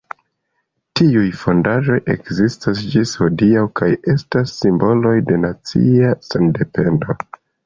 Tiuj fondaĵoj ekzistis ĝis hodiaŭ kaj estas simboloj de nacia sendependo.